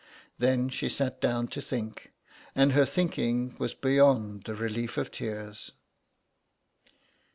Then she sat down to think, and her thinking was beyond the relief of tears.